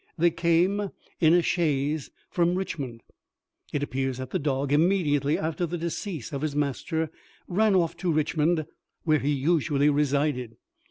They came in a chaise from Richmond. It appears that the dog, immediately after the decease of his master, ran off to Richmond, where he usually resided.